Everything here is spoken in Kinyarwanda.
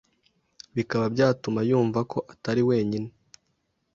bikaba byatuma yumva ko atari wenyine.